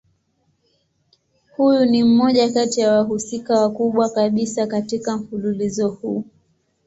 Huyu ni mmoja kati ya wahusika wakubwa kabisa katika mfululizo huu.